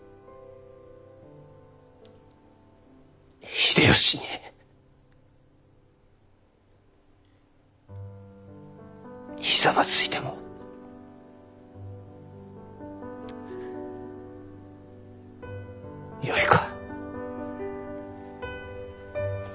秀吉にひざまずいてもよいか？